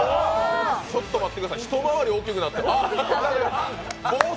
ちょっと待ってください、一回り大きくなっている。